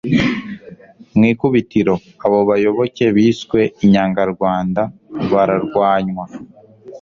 mw'ikubitiro, abo bayoboke biswe inyangarwanda bararwanywa